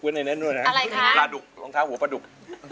ไว้ในนั้นด้วยนะฮะอะไรคะประดุกรองเท้าหัวประดุก